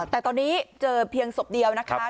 แต่ตอนนี้เจอเพียงศพเดียวนะคะ